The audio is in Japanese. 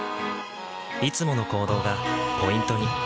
いつもの行動がポイントに。